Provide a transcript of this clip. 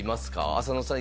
浅野さん